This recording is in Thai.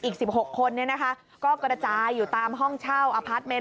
อีก๑๖คนก็กระจายอยู่ตามห้องเช่าอพาร์ทเมนต์